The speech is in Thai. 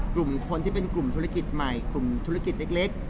กลุ่มคนที่เป็นกลุ่มธุรกิจใหม่กลุ่มธุรกิจเล็ก